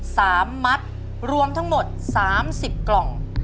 สามมัดรวมทั้งหมดสามสิบกล่อง